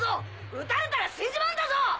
撃たれたら死んじまうんだぞ！！